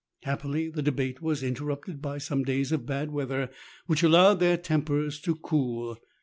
Happily the debate was in terrupted by some days of bad weather, which allowed tl;eir tempers to cool.